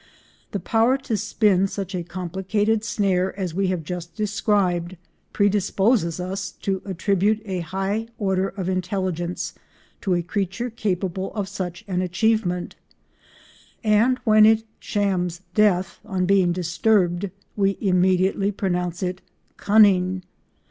The power to spin such a complicated snare as we have just described predisposes us to attribute a high order of intelligence to a creature capable of such an achievement, and when it "shams death" on being disturbed we immediately pronounce it "cunning."